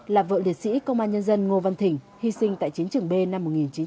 là vợ liệt sĩ công an nhân dân ngô văn thỉnh hy sinh tại chiến trường b năm một nghìn chín trăm bảy mươi